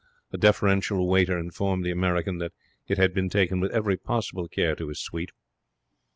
A deferential waiter informed the American that it had been taken with every possible care to his suite.